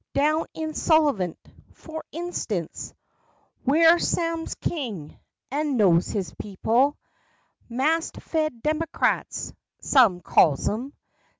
Down in Sullivant, for instance, Whar Sam's king, and knows his people ;' Mast fed demercrats,' some calls 'em.